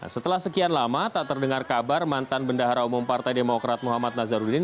setelah sekian lama tak terdengar kabar mantan bendahara umum partai demokrat muhammad nazarudin